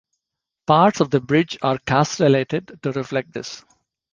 Parts of the bridge are castellated to reflect this.